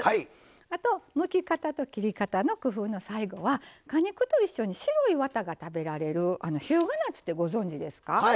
あと、むき方と切り方の工夫の最後は果肉と一緒に白いワタが食べられる日向夏ってご存じですか。